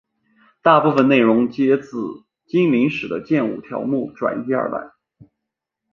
大部分内容皆自精灵使的剑舞条目转移而来。